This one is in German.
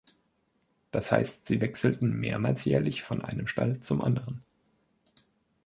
Das heißt, sie wechselten mehrmals jährlich von einem Stall zum anderen.